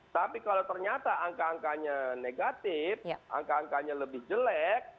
tapi kalau ternyata angka angkanya negatif angka angkanya lebih jelek